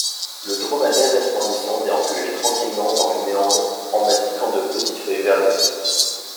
Le dromadaire resplendissant déambulait tranquillement dans les méandres en mastiquant de petites feuilles vernissées.